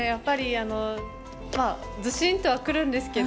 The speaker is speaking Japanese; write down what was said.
ズシンとはくるんですけど。